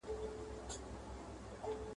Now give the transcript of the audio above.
پیاز دي وي په نیاز دي وي !.